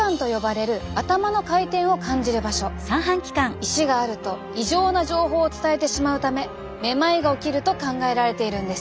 石があると異常な情報を伝えてしまうためめまいが起きると考えられているんです。